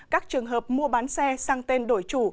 các trường hợp mua bán xe sang tên đổi chủ